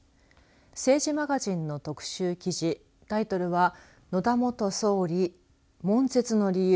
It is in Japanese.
政治マガジンの特集記事タイトルは、野田元総理悶絶の理由。